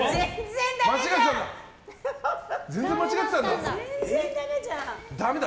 全然間違えてたんだ。